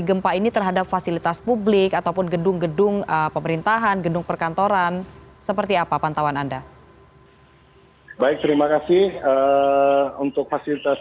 untuk para pengusaha